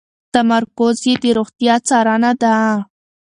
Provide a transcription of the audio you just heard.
تمرکز یې د روغتیا څارنه ده.